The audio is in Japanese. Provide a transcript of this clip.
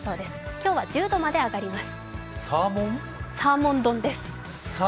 今日は１０度まで上がります。